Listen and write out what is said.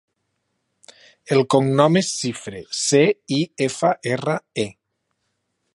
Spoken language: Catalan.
El cognom és Cifre: ce, i, efa, erra, e.